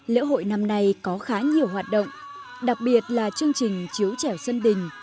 lễ hội năm nay có khá nhiều hoạt động đặc biệt là chương trình chiếu trèo sân đình